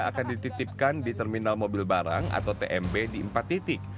akan dititipkan di terminal mobil barang atau tmb di empat titik